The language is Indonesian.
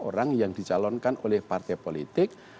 orang yang dicalonkan oleh partai politik